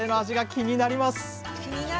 気になる。